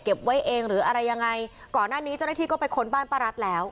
ไว้เองหรืออะไรยังไงก่อนหน้านี้เจ้าหน้าที่ก็ไปค้นบ้านป้ารัสแล้ว